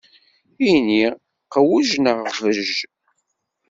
Ini: qwej neɣ bej!